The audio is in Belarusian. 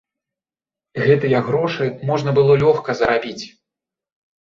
Гэтыя грошы можна было лёгка зарабіць.